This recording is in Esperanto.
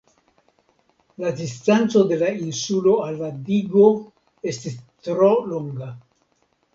La distanco de la Insulo al la digo estis tro longa.